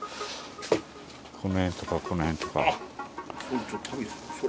この辺とか、この辺とか。